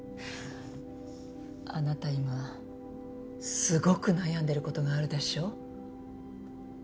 あなた今すごく悩んでることがあるでしょ？